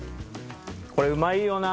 これうまいよな。